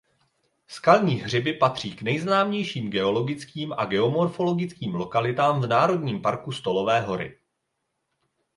Skalní hřiby patří k nejznámějším geologickým a geomorfologickým lokalitám v Národním parku Stolové hory.